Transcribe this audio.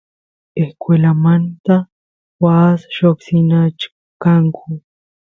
escuelamanta waas lloqsinachkanku